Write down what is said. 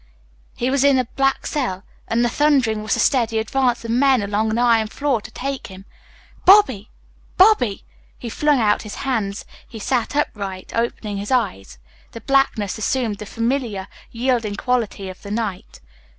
He was in a black cell, and the thundering was the steady advance of men along an iron floor to take him "Bobby! Bobby!" He flung out his hands. He sat upright, opening his eyes. The blackness assumed the familiar, yielding quality of the night.